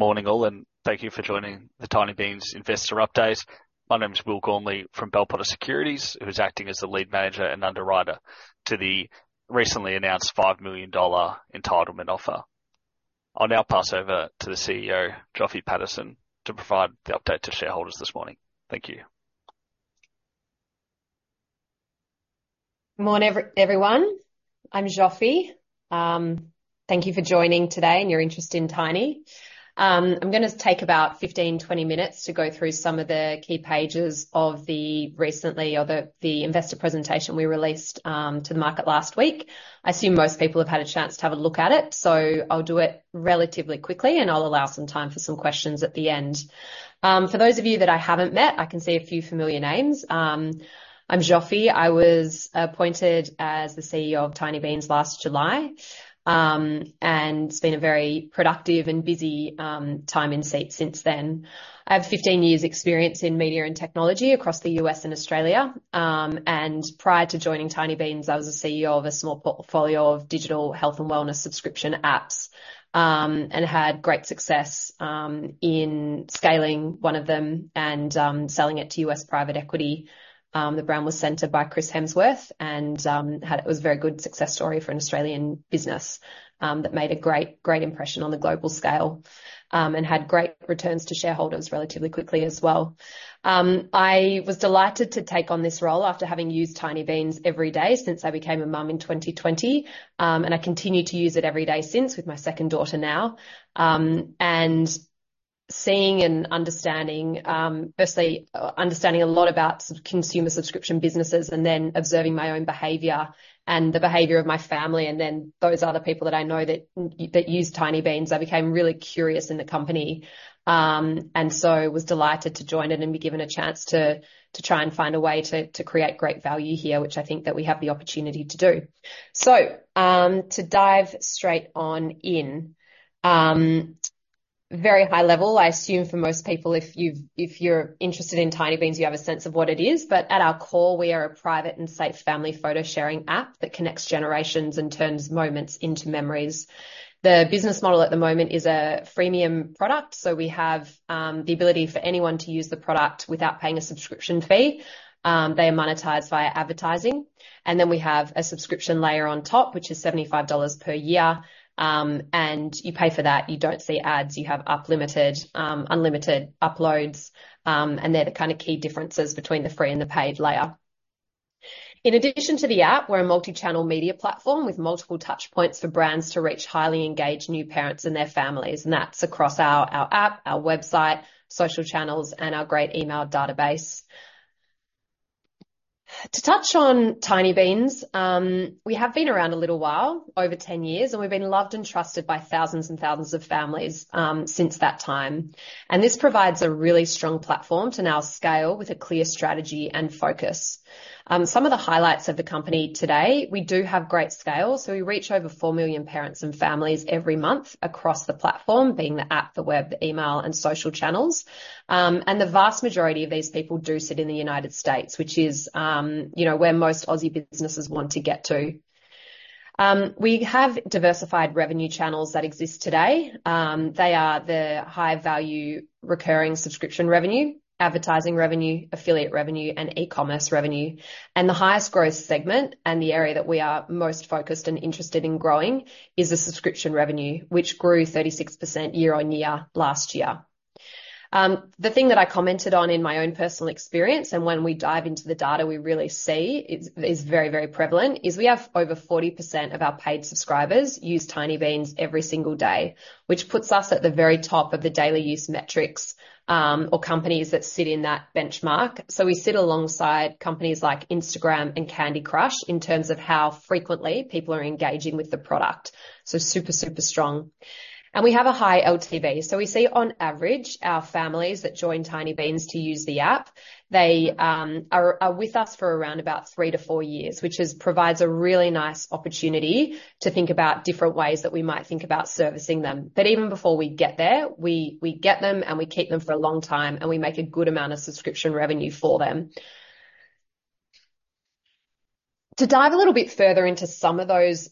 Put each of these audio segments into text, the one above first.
Good morning all, and thank you for joining the Tinybeans Investor Update. My name's Will Gormly from Bell Potter Securities, who's acting as the lead manager and underwriter to the recently announced 5 million dollar entitlement offer. I'll now pass over to the CEO, Zsofi Paterson, to provide the update to shareholders this morning. Thank you. Morning everyone. I'm Zsofi. Thank you for joining today and your interest in Tiny. I'm going to take about 15-20 minutes to go through some of the key pages of the recently or the investor presentation we released to the market last week. I assume most people have had a chance to have a look at it, so I'll do it relatively quickly and I'll allow some time for some questions at the end. For those of you that I haven't met, I can see a few familiar names. I'm Zsofi. I was appointed as the CEO of Tinybeans last July, and it's been a very productive and busy time in seat since then. I have 15 years' experience in media and technology across the U.S. and Australia. Prior to joining Tinybeans, I was the CEO of a small portfolio of digital health and wellness subscription apps, and had great success in scaling one of them and selling it to U.S. private equity. The brand was Centr by Chris Hemsworth, and it was a very good success story for an Australian business that made a great, great impression on the global scale, and had great returns to shareholders relatively quickly as well. I was delighted to take on this role after having used Tinybeans every day since I became a mom in 2020, and I continue to use it every day since with my second daughter now. and seeing and understanding, firstly, understanding a lot about sort of consumer subscription businesses and then observing my own behavior and the behavior of my family and then those other people that I know that use Tinybeans, I became really curious in the company, and so was delighted to join it and be given a chance to try and find a way to create great value here, which I think that we have the opportunity to do. So, to dive straight on in, very high level, I assume for most people if you're interested in Tinybeans you have a sense of what it is, but at our core we are a private and safe family photo sharing app that connects generations and turns moments into memories. The business model at the moment is a freemium product, so we have the ability for anyone to use the product without paying a subscription fee. They are monetized via advertising. And then we have a subscription layer on top, which is $75 per year, and you pay for that. You don't see ads. You have unlimited uploads, and they're the kind of key differences between the free and the paid layer. In addition to the app, we're a multi-channel media platform with multiple touchpoints for brands to reach highly engaged new parents and their families, and that's across our app, our website, social channels, and our great email database. To touch on Tinybeans, we have been around a little while, over 10 years, and we've been loved and trusted by thousands and thousands of families since that time. This provides a really strong platform to now scale with a clear strategy and focus. Some of the highlights of the company today: we do have great scale, so we reach over 4 million parents and families every month across the platform, being the app, the web, the email, and social channels. The vast majority of these people do sit in the United States, which is, you know, where most Aussie businesses want to get to. We have diversified revenue channels that exist today. They are the high-value recurring subscription revenue, advertising revenue, affiliate revenue, and e-commerce revenue. The highest growth segment and the area that we are most focused and interested in growing is the subscription revenue, which grew 36% year-over-year last year. The thing that I commented on in my own personal experience and when we dive into the data we really see is very, very prevalent is we have over 40% of our paid subscribers use Tinybeans every single day, which puts us at the very top of the daily use metrics, or companies that sit in that benchmark. So we sit alongside companies like Instagram and Candy Crush in terms of how frequently people are engaging with the product. So super, super strong. And we have a high LTV. So we see on average our families that join Tinybeans to use the app, they, are with us for around about three to four years, which provides a really nice opportunity to think about different ways that we might think about servicing them. But even before we get there, we get them and we keep them for a long time and we make a good amount of subscription revenue for them. To dive a little bit further into some of those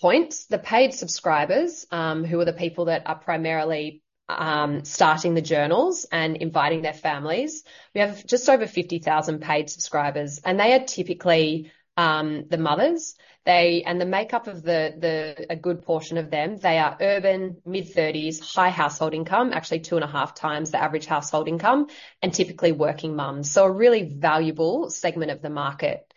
points, the paid subscribers, who are the people that are primarily starting the journals and inviting their families, we have just over 50,000 paid subscribers and they are typically the mothers. They, and the makeup of the good portion of them, they are urban, mid-30s, high household income, actually 2.5 times the average household income, and typically working mums. So a really valuable segment of the market.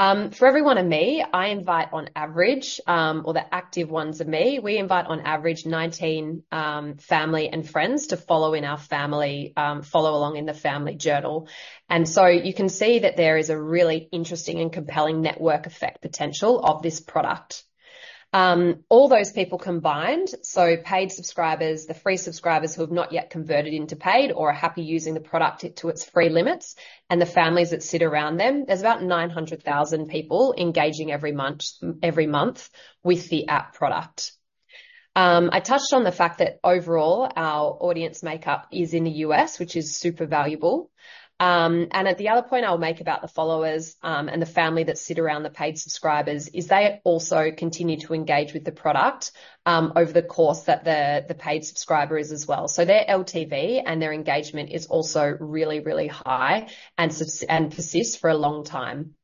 For everyone and me, I invite on average, or the active ones and me, we invite on average 19 family and friends to follow in our family, follow along in the family journal. And so you can see that there is a really interesting and compelling network effect potential of this product. All those people combined, so paid subscribers, the free subscribers who have not yet converted into paid or are happy using the product to its free limits, and the families that sit around them, there's about 900,000 people engaging every month with the app product. I touched on the fact that overall our audience makeup is in the U.S., which is super valuable. And at the other point I'll make about the followers, and the family that sit around the paid subscribers is they also continue to engage with the product, over the course that the paid subscriber is as well. So their LTV and their engagement is also really, really high and persists for a long time.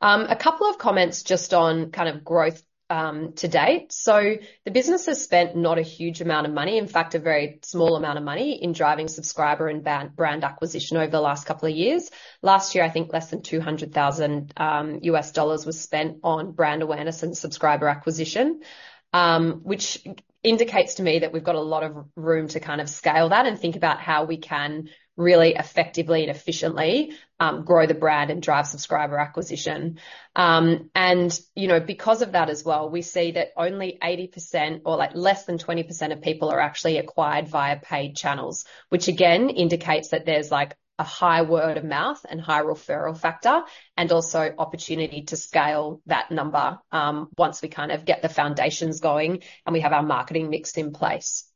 A couple of comments just on kind of growth, to date. So the business has spent not a huge amount of money, in fact a very small amount of money, in driving subscriber and brand acquisition over the last couple of years. Last year I think less than $200,000 US dollars was spent on brand awareness and subscriber acquisition, which indicates to me that we've got a lot of room to kind of scale that and think about how we can really effectively and efficiently grow the brand and drive subscriber acquisition. You know because of that as well we see that only 80% or like less than 20% of people are actually acquired via paid channels, which again indicates that there's like a high word of mouth and high referral factor and also opportunity to scale that number, once we kind of get the foundations going and we have our marketing mix in place.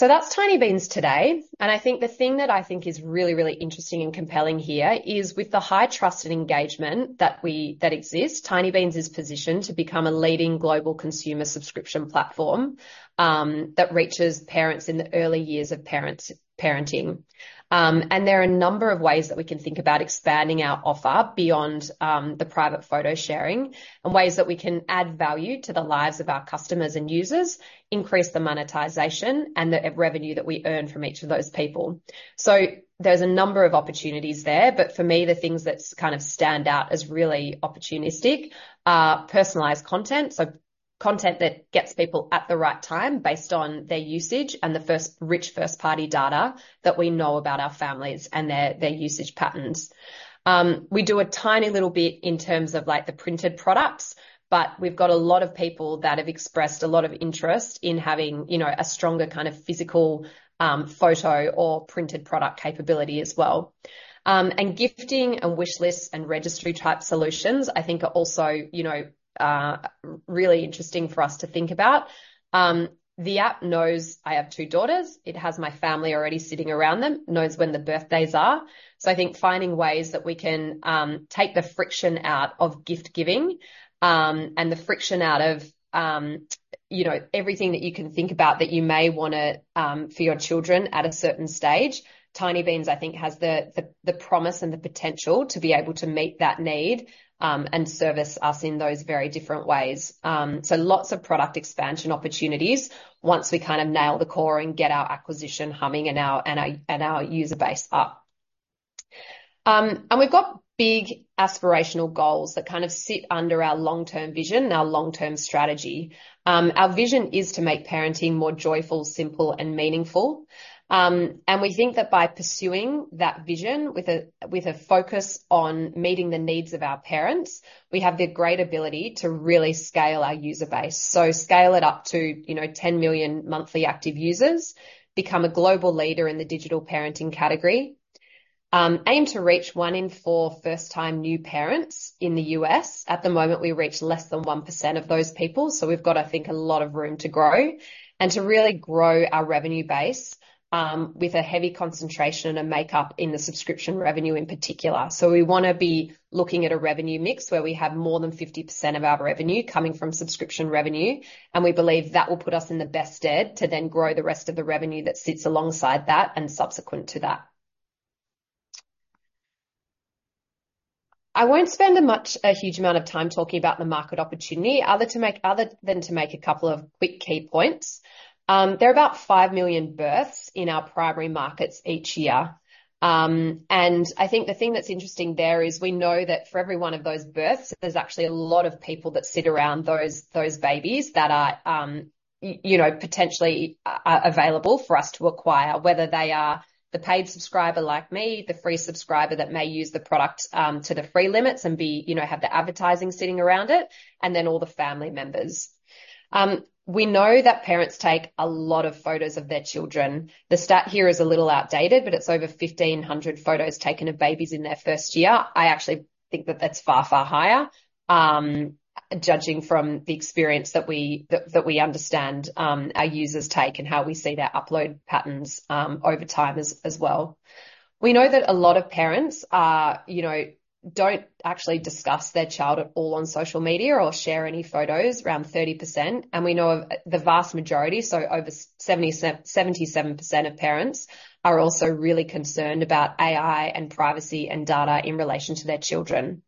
So that's Tinybeans today, and I think the thing that I think is really, really interesting and compelling here is with the high trust and engagement that we that exists, Tinybeans is positioned to become a leading global consumer subscription platform, that reaches parents in the early years of parenting. There are a number of ways that we can think about expanding our offer beyond the private photo sharing and ways that we can add value to the lives of our customers and users, increase the monetization and the revenue that we earn from each of those people. So there's a number of opportunities there, but for me the things that kind of stand out as really opportunistic are personalized content, so content that gets people at the right time based on their usage and the first rich first-party data that we know about our families and their usage patterns. We do a tiny little bit in terms of like the printed products, but we've got a lot of people that have expressed a lot of interest in having, you know, a stronger kind of physical, photo or printed product capability as well. Gifting and wish lists and registry type solutions I think are also, you know, really interesting for us to think about. The app knows I have two daughters. It has my family already sitting around them. It knows when the birthdays are. So I think finding ways that we can take the friction out of gift giving, and the friction out of, you know, everything that you can think about that you may want to for your children at a certain stage. Tinybeans I think has the promise and the potential to be able to meet that need, and service us in those very different ways. Lots of product expansion opportunities once we kind of nail the core and get our acquisition humming and our user base up. We've got big aspirational goals that kind of sit under our long-term vision, our long-term strategy. Our vision is to make parenting more joyful, simple, and meaningful. We think that by pursuing that vision with a focus on meeting the needs of our parents, we have the great ability to really scale our user base. So scale it up to, you know, 10 million monthly active users, become a global leader in the digital parenting category. Aim to reach one in four first-time new parents in the U.S. At the moment we reach less than 1% of those people, so we've got, I think, a lot of room to grow and to really grow our revenue base, with a heavy concentration and a makeup in the subscription revenue in particular. So we want to be looking at a revenue mix where we have more than 50% of our revenue coming from subscription revenue, and we believe that will put us in the best stead to then grow the rest of the revenue that sits alongside that and subsequent to that. I won't spend much, a huge amount of time talking about the market opportunity other than to make a couple of quick key points. There are about 5 million births in our primary markets each year. And I think the thing that's interesting there is we know that for every one of those births there's actually a lot of people that sit around those babies that are, you know, potentially available for us to acquire, whether they are the paid subscriber like me, the free subscriber that may use the product to the free limits and be, you know, have the advertising sitting around it, and then all the family members. We know that parents take a lot of photos of their children. The stat here is a little outdated, but it's over 1,500 photos taken of babies in their first year. I actually think that that's far, far higher, judging from the experience that we understand, our users take and how we see their upload patterns, over time as well. We know that a lot of parents are, you know, don't actually discuss their child at all on social media or share any photos, around 30%, and we know of the vast majority, so over 77% of parents, are also really concerned about AI and privacy and data in relation to their children.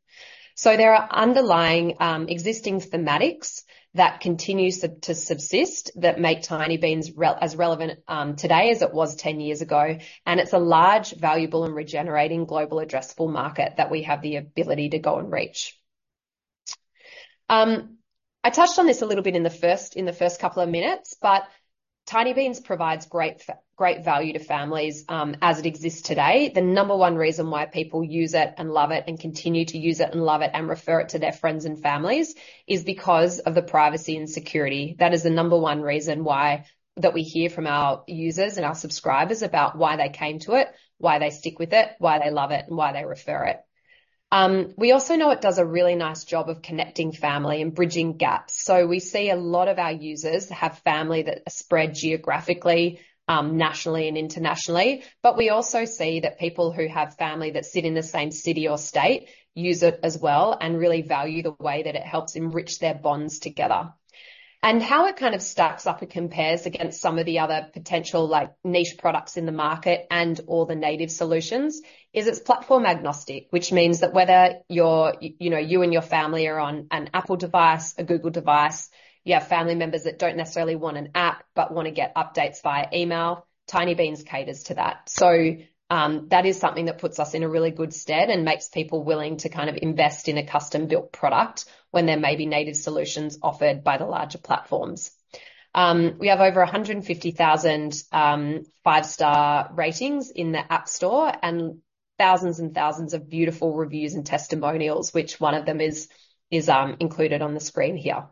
So there are underlying, existing thematics that continue to subsist that make Tinybeans as relevant, today as it was 10 years ago, and it's a large, valuable, and regenerating global addressable market that we have the ability to go and reach. I touched on this a little bit in the first couple of minutes, but Tinybeans provides great value to families, as it exists today. The number one reason why people use it and love it and continue to use it and love it and refer it to their friends and families is because of the privacy and security. That is the number one reason why we hear from our users and our subscribers about why they came to it, why they stick with it, why they love it, and why they refer it. We also know it does a really nice job of connecting family and bridging gaps. We see a lot of our users have family that are spread geographically, nationally, and internationally, but we also see that people who have family that sit in the same city or state use it as well and really value the way that it helps enrich their bonds together. How it kind of stacks up and compares against some of the other potential, like, niche products in the market and all the native solutions is it's platform agnostic, which means that whether you're, you know, you and your family are on an Apple device, a Google device, you have family members that don't necessarily want an app but want to get updates via email, Tinybeans caters to that. So, that is something that puts us in a really good stead and makes people willing to kind of invest in a custom-built product when there may be native solutions offered by the larger platforms. We have over 150,000 five-star ratings in the App Store and thousands and thousands of beautiful reviews and testimonials, which one of them is included on the screen here.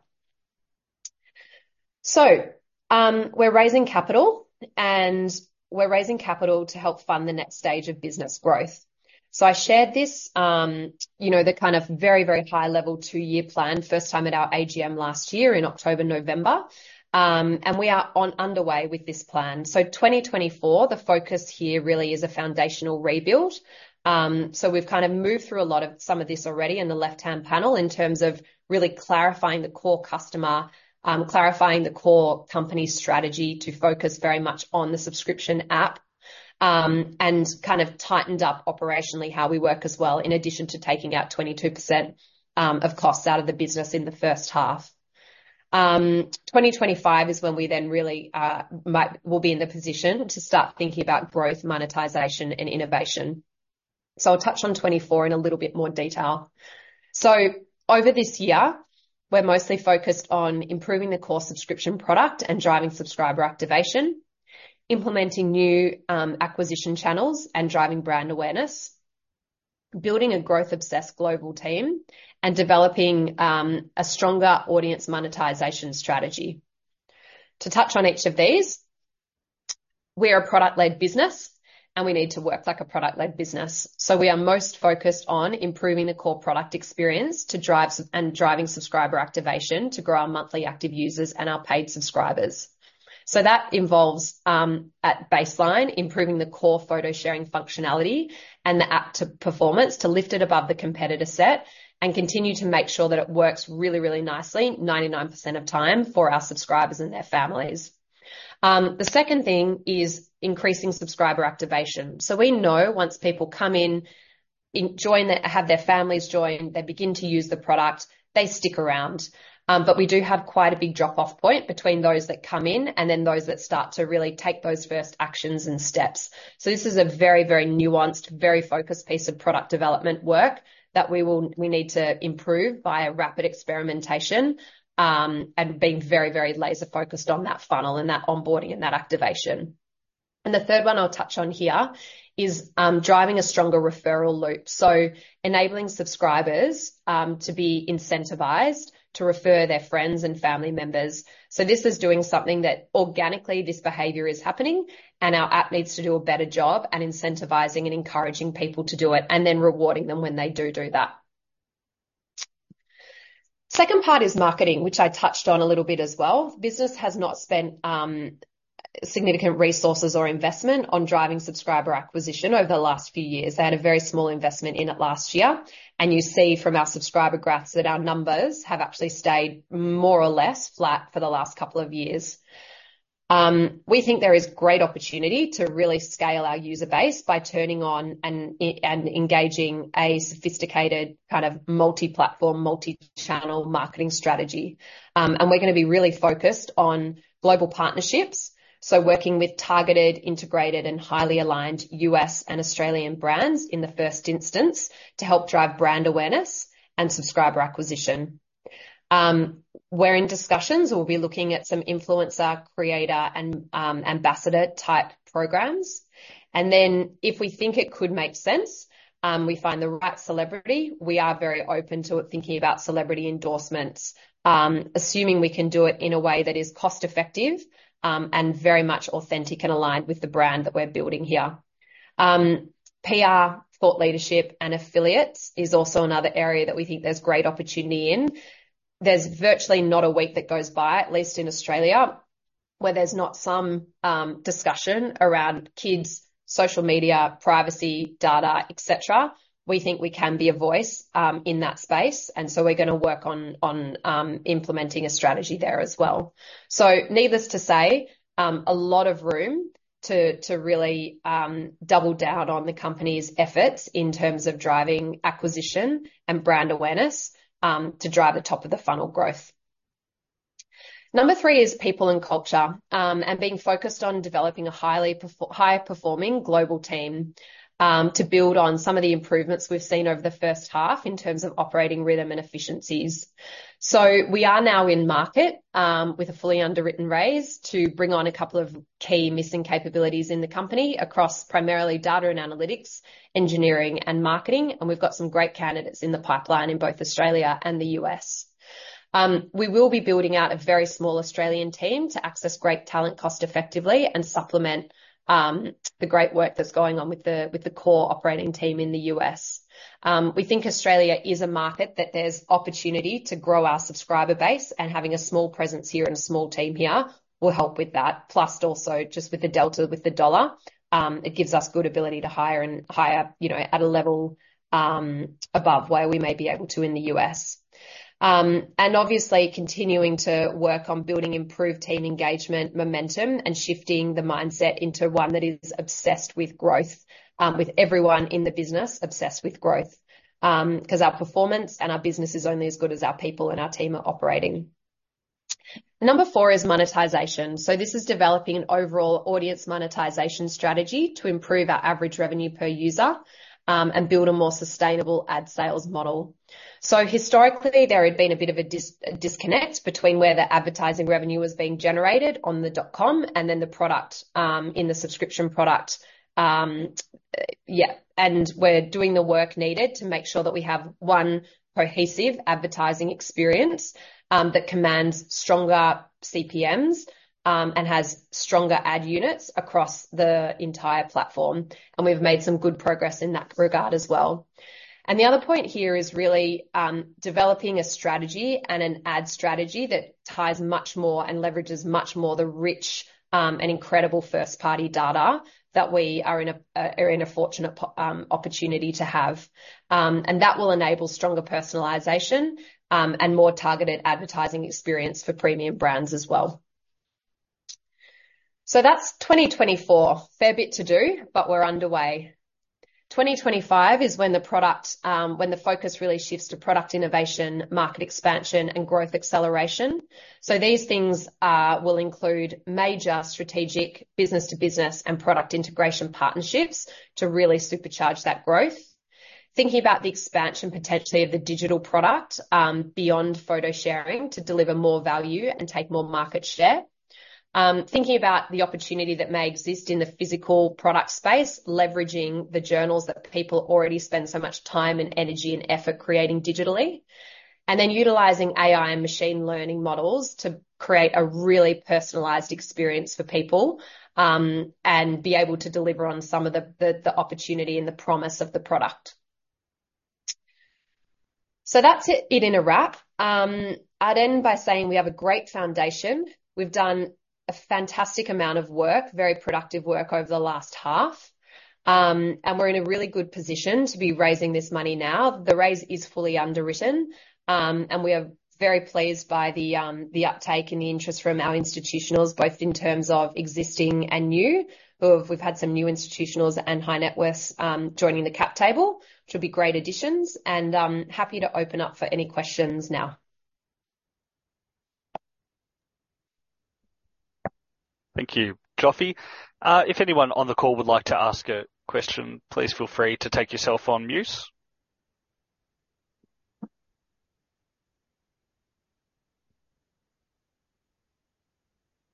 So, we're raising capital, and we're raising capital to help fund the next stage of business growth. So I shared this, you know, the kind of very, very high-level two-year plan first time at our AGM last year in October, November, and we are now underway with this plan. So 2024, the focus here really is a foundational rebuild. So we've kind of moved through a lot of some of this already in the left-hand panel in terms of really clarifying the core customer, clarifying the core company strategy to focus very much on the subscription app, and kind of tightened up operationally how we work as well in addition to taking out 22% of costs out of the business in the first half. 2025 is when we then really, might will be in the position to start thinking about growth, monetization, and innovation. So I'll touch on 2024 in a little bit more detail. So over this year we're mostly focused on improving the core subscription product and driving subscriber activation, implementing new, acquisition channels and driving brand awareness, building a growth-obsessed global team, and developing, a stronger audience monetization strategy. To touch on each of these, we're a product-led business and we need to work like a product-led business. So we are most focused on improving the core product experience to drive and driving subscriber activation to grow our monthly active users and our paid subscribers. So that involves, at baseline, improving the core photo sharing functionality and the app to performance to lift it above the competitor set and continue to make sure that it works really, really nicely 99% of time for our subscribers and their families. The second thing is increasing subscriber activation. So we know once people come in, join their have their families join, they begin to use the product, they stick around. But we do have quite a big drop-off point between those that come in and then those that start to really take those first actions and steps. So this is a very, very nuanced, very focused piece of product development work that we need to improve via rapid experimentation, and being very, very laser-focused on that funnel and that onboarding and that activation. And the third one I'll touch on here is driving a stronger referral loop. So enabling subscribers to be incentivized to refer their friends and family members. So this is doing something that organically this behavior is happening and our app needs to do a better job at incentivizing and encouraging people to do it and then rewarding them when they do do that. Second part is marketing, which I touched on a little bit as well. The business has not spent significant resources or investment on driving subscriber acquisition over the last few years. They had a very small investment in it last year, and you see from our subscriber graphs that our numbers have actually stayed more or less flat for the last couple of years. We think there is great opportunity to really scale our user base by turning on and engaging a sophisticated kind of multi-platform, multi-channel marketing strategy. We're going to be really focused on global partnerships, so working with targeted, integrated, and highly aligned U.S. and Australian brands in the first instance to help drive brand awareness and subscriber acquisition. We're in discussions and we'll be looking at some influencer, creator, and ambassador type programs. And then, if we think it could make sense, we find the right celebrity. We are very open to it, thinking about celebrity endorsements, assuming we can do it in a way that is cost-effective, and very much authentic and aligned with the brand that we're building here. PR, thought leadership, and affiliates is also another area that we think there's great opportunity in. There's virtually not a week that goes by, at least in Australia, where there's not some discussion around kids, social media, privacy, data, etc. We think we can be a voice in that space, and so we're going to work on implementing a strategy there as well. So needless to say, a lot of room to really double down on the company's efforts in terms of driving acquisition and brand awareness, to drive the top of the funnel growth. Number three is people and culture, and being focused on developing a highly high-performing global team, to build on some of the improvements we've seen over the first half in terms of operating rhythm and efficiencies. So we are now in market, with a fully underwritten raise to bring on a couple of key missing capabilities in the company across primarily data and analytics, engineering, and marketing, and we've got some great candidates in the pipeline in both Australia and the U.S. We will be building out a very small Australian team to access great talent cost-effectively and supplement the great work that's going on with the core operating team in the U.S. We think Australia is a market that there's opportunity to grow our subscriber base, and having a small presence here and a small team here will help with that. Plus also just with the delta with the dollar, it gives us good ability to hire and hire, you know, at a level, above where we may be able to in the U.S. And obviously continuing to work on building improved team engagement momentum and shifting the mindset into one that is obsessed with growth, with everyone in the business obsessed with growth, because our performance and our business is only as good as our people and our team are operating. Number four is monetization. This is developing an overall audience monetization strategy to improve our average revenue per user, and build a more sustainable ad sales model. So historically there had been a bit of a disconnect between where the advertising revenue was being generated on the dot-com and then the product, in the subscription product, yeah, and we're doing the work needed to make sure that we have one cohesive advertising experience, that commands stronger CPMs, and has stronger ad units across the entire platform. And we've made some good progress in that regard as well. And the other point here is really, developing a strategy and an ad strategy that ties much more and leverages much more the rich, and incredible first-party data that we are in a fortunate opportunity to have, and that will enable stronger personalization, and more targeted advertising experience for premium brands as well. So that's 2024, fair bit to do, but we're underway. 2025 is when the focus really shifts to product innovation, market expansion, and growth acceleration. So these things will include major strategic business-to-business and product integration partnerships to really supercharge that growth. Thinking about the expansion potentially of the digital product, beyond photo sharing to deliver more value and take more market share. Thinking about the opportunity that may exist in the physical product space, leveraging the journals that people already spend so much time and energy and effort creating digitally, and then utilizing AI and machine learning models to create a really personalized experience for people, and be able to deliver on some of the opportunity and the promise of the product. So that's it, it in a wrap. I'll end by saying we have a great foundation. We've done a fantastic amount of work, very productive work over the last half, and we're in a really good position to be raising this money now. The raise is fully underwritten, and we are very pleased by the uptake and the interest from our institutionals, both in terms of existing and new, we've had some new institutionals and high net worths joining the cap table, which will be great additions, happy to open up for any questions now. Thank you, Zsofi. If anyone on the call would like to ask a question, please feel free to take yourself on mute.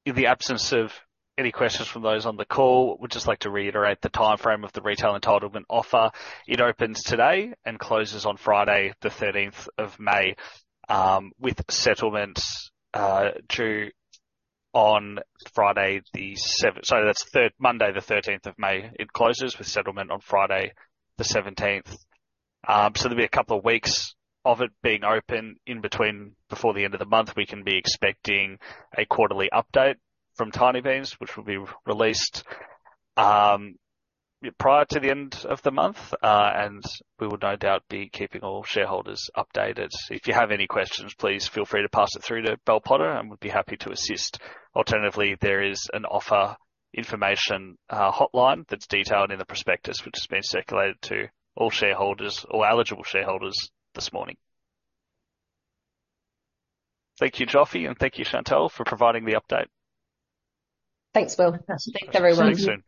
In the absence of any questions from those on the call, we'd just like to reiterate the timeframe of the retail entitlement offer. It opens today and closes on Friday, the 13th of May, with settlement due on Friday the 7th. So that's third Monday, the 13th of May. It closes with settlement on Friday the 17th. So there'll be a couple of weeks of it being open. In between, before the end of the month, we can be expecting a quarterly update from Tinybeans, which will be released prior to the end of the month, and we will no doubt be keeping all shareholders updated. If you have any questions, please feel free to pass it through to Bell Potter, and we'd be happy to assist. Alternatively, there is an offer information hotline that's detailed in the prospectus, which has been circulated to all shareholders, all eligible shareholders, this morning. Thank you, Zsofi, and thank you, Chantale, for providing the update. Thanks, Will. Thanks, everyone.